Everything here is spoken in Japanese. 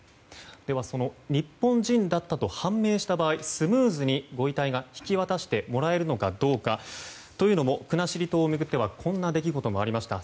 では、日本人だったと判明した場合スムーズにご遺体が引き渡してもらえるのかどうかというのもというのも国後島を巡ってはこんな出来事がありました。